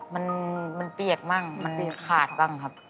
มันเปียกบ้างมันมีขาดบ้างครับ